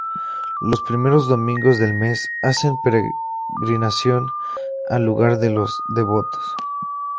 Los primeros domingos del mes hacen peregrinación al lugar los devotos.